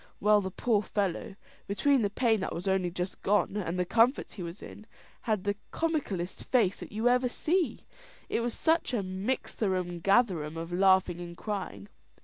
Well the poor fellow, between the pain that was only just gone, and the comfort he was in, had the comicalest face that you ever see, it was such a mixtherum gatherum of laughing and crying.